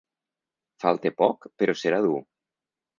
Falta poc però serà dur.